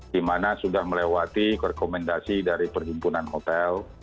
dimana sudah melewati rekomendasi dari perhimpunan hotel